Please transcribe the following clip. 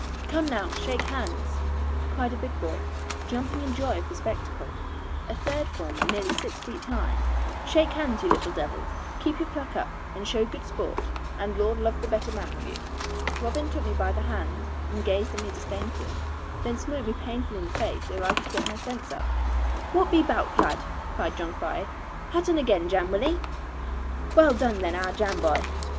'Come now, shake hands,' cried a big boy, jumping in joy of the spectacle, a third former nearly six feet high; 'shake hands, you little devils. Keep your pluck up, and show good sport, and Lord love the better man of you.' Robin took me by the hand, and gazed at me disdainfully, and then smote me painfully in the face, ere I could get my fence up. 'Whutt be 'bout, lad?' cried John Fry; 'hutt un again, Jan, wull 'e? Well done then, our Jan boy.'